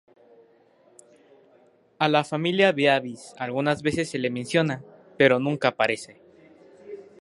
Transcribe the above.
A la familia de Beavis algunas veces se la menciona, pero nunca aparece.